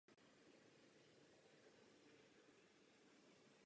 Nicméně jejich životnost se pomalu blíží ke konci.